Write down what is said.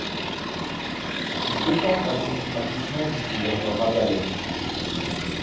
Il dépend administrativement du gouvernorat d'Alep.